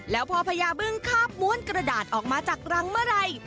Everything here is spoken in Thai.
แล้วพอพญาบึ้งคาบม้วนกระดาษออกมาจากรังเมื่อไหร่